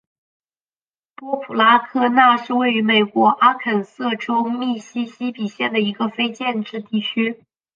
波普拉科纳是位于美国阿肯色州密西西比县的一个非建制地区。